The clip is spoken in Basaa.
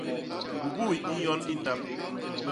Pupuy i nyon i ndap.